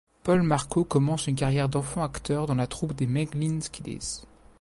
Paul Marco commence une carrière d'enfant acteur dans la troupe des Meglin Kiddies.